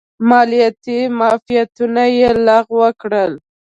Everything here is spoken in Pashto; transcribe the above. مالیاتي معافیتونه یې لغوه کړل.